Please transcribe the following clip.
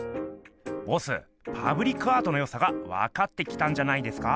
ボスパブリックアートのよさがわかってきたんじゃないですか。